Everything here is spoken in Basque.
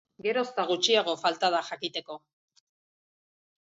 Geroz eta gutxiago falta da jakiteko!